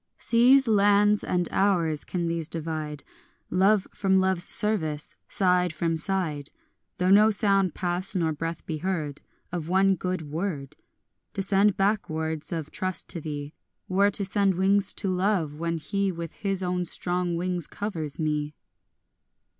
5 Seas, lands, and hours, can these divide Love from love's service, side from side, Though no sound pass nor breath be heard Of one good word? To send back words of trust to thee Were to send wings to love, when he With his own strong wings covers me.